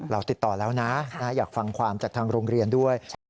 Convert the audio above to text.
เราติดต่อแล้วนะอยากฟังความจากทางโรงเรียนด้วย